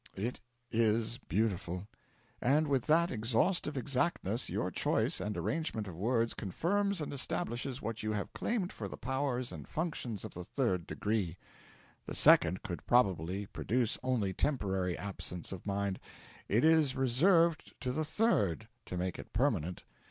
'It is beautiful. And with that exhaustive exactness your choice and arrangement of words confirms and establishes what you have claimed for the powers and functions of the Third Degree. The Second could probably produce only temporary absence of mind, it is reserved to the Third to make it permanent.